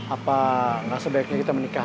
apa gak sebaiknya kita menikah aja